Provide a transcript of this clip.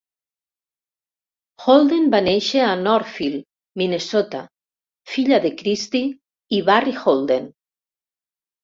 Holden va néixer a Northfield, Minnesota, filla de Kristi i Barry Holden.